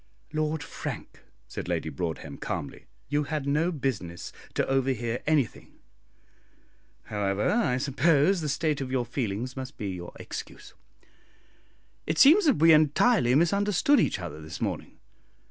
"Lord Frank," said Lady Broadhem, calmly, "you had no business to overhear anything; however, I suppose the state of your feelings must be your excuse. It seems that we entirely misunderstood each other this morning.